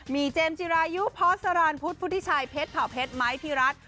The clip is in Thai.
มีเจมส์จิรายุพอร์สสาหร่านพุทธพุทธิชัยเผ็ดเผ่าเผ็ดไม้พิรัต